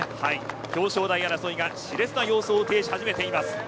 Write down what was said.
表彰台争いがし烈な様相を呈し始めています。